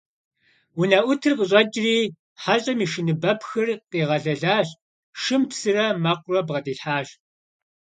Унэӏутыр къыщӀэкӀри хьэщӏэм и шыныбэпхыр къигъэлэлащ, шым псырэ мэкъурэ бгъэдилъхьащ.